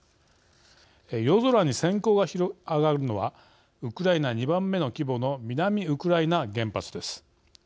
夜空に、せん光が上がるのはウクライナ２番目の規模の南ウクライナ原発です。